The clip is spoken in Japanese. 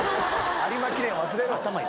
有馬記念忘れろ。